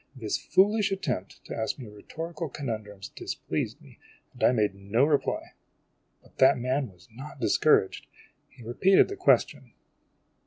This foolish attempt to ask me rhetorical conundrums displeased me, and I made no reply. But that man was not discouraged. He repeated the question.